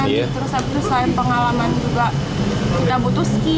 terus abis itu selain pengalaman juga kita butuh skill